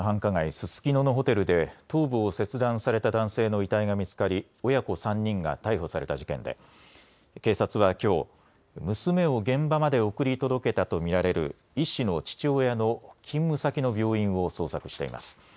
ススキノのホテルで頭部を切断された男性の遺体が見つかり親子３人が逮捕された事件で警察はきょう娘を現場まで送り届けたと見られる医師の父親の勤務先の病院を捜索しています。